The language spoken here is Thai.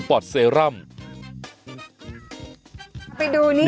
ไปดูนี่เลย